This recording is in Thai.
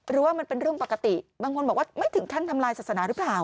หรือว่ามันเป็นเรื่องปกติบางคนบอกว่าไม่ถึงขั้นทำลายศาสนาหรือเปล่า